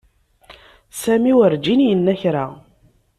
Sami werǧin yenna kra.